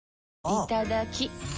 いただきっ！